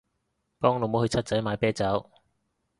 幫老母去七仔買啤酒